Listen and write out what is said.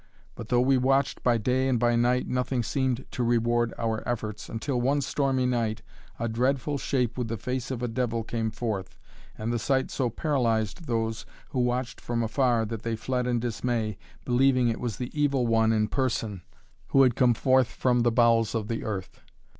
But though we watched by day and by night nothing seemed to reward our efforts, until one stormy night a dreadful shape with the face of a devil came forth, and the sight so paralyzed those who watched from afar that they fled in dismay, believing it was the Evil One in person who had come forth from the bowels of the earth.